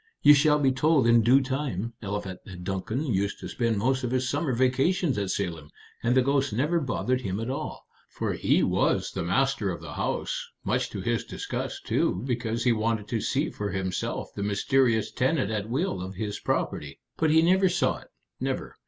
"You shall be told in due time. Eliphalet Duncan used to spend most of his summer vacations at Salem, and the ghost never bothered him at all, for he was the master of the house much to his disgust, too, because he wanted to see for himself the mysterious tenant at will of his property. But he never saw it, never.